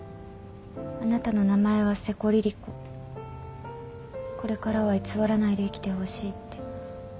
「あなたの名前は瀬古凛々子」「これからは偽らないで生きてほしい」って。